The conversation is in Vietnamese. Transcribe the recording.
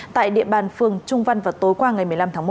tại địa bàn phường trung văn vào tối qua ngày một mươi năm tháng một